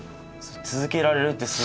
続けられるって。